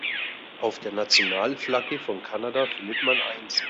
Auf der Nationalflagge von Kanada findet man eins.